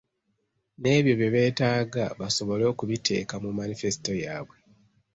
N'ebyo bye beetaaga basobole okubiteeka mu manifesto yaabwe.